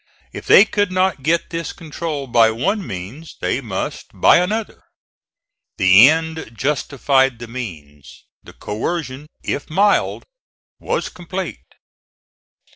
If they could not get this control by one means they must by another. The end justified the means. The coercion, if mild, was complete.